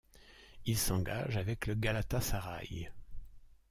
Il s'engage avec le Galatasaray.